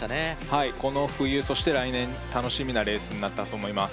はいこの冬そして来年楽しみなレースになったと思います